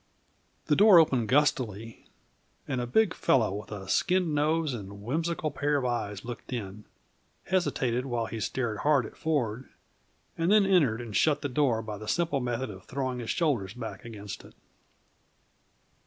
The door opened gustily and a big fellow with a skinned nose and a whimsical pair of eyes looked in, hesitated while he stared hard at Ford, and then entered and shut the door by the simple method of throwing his shoulders back against it.